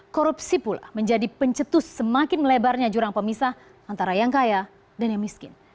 korupsi pula menjadi pencetus semakin melebarnya jurang pemisah antara yang kaya dan yang miskin